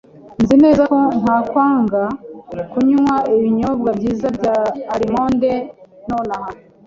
Nzi neza ko ntakwanga kunywa ibinyobwa byiza bya almonde nonaha.